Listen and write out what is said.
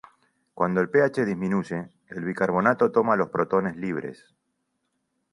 Cuando el pH disminuye, el bicarbonato toma los protones libres.